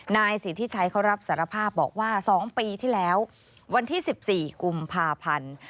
นายสิทธิชัยเขารับสารภาพบอกว่า๒ปีที่แล้ววันที่๑๔กุมภาพันธ์